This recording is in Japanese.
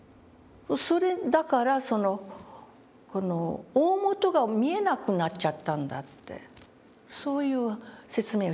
それだからこの大本が見えなくなっちゃったんだってそういう説明をしてる。